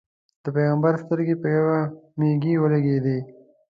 د پېغمبر سترګې په یوې مېږې ولګېدې.